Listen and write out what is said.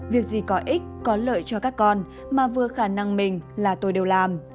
việc gì có ích có lợi cho các con mà vừa khả năng mình là tôi đều làm